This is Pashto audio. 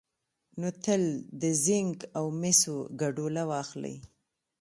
نو تل د زېنک او مسو ګډوله واخلئ،